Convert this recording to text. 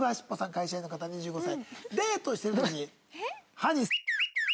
会社員の方２５歳。